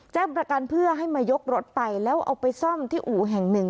แจ้งประกันเพื่อให้มายกรถไปแล้วเอาไปซ่อมที่อู่แห่งหนึ่ง